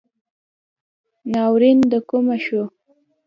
ناورین دکومه شو